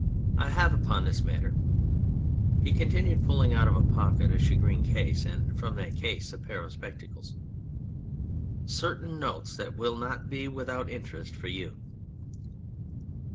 I have upon this matter/' he continued, pulling out of a pocket a shagreen case and from that case a pair of spectacles, " certain notes that will not be without interest for you.'